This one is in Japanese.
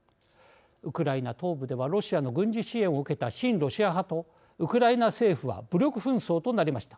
ウクライナ東部ではロシアの軍事支援を受けた親ロシア派とウクライナ政府は武力紛争となりました。